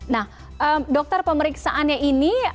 nah dokter pemeriksaannya ini